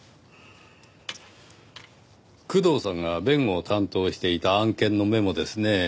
工藤さんが弁護を担当していた案件のメモですねぇ。